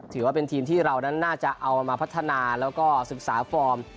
ถือว่าเป็นทีมที่เรานั้นน่าจะเอามาพัฒนาแล้วก็ศึกษาฟอร์ม